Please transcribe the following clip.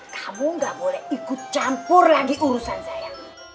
kamu gak boleh ikut campur lagi urusan saya